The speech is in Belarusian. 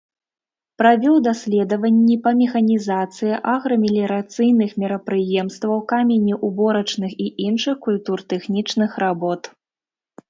Правёў даследаванні па механізацыі аграмеліярацыйных мерапрыемстваў, каменеўборачных і іншых культуртэхнічных работ.